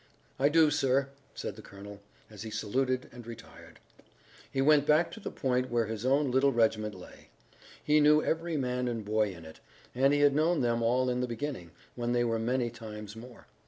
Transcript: "I do, sir," said the colonel, as he saluted and retired. He went back to the point where his own little regiment lay. He knew every man and boy in it, and he had known them all in the beginning, when they were many times more.